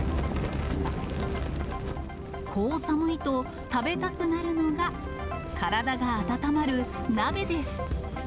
こう寒いと、食べたくなるのが、体が温まる鍋です。